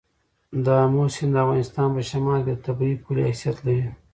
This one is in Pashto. د آمو سیند د افغانستان په شمال کې د طبیعي پولې حیثیت لري.